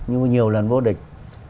nhưng mà nhiều lần vô địch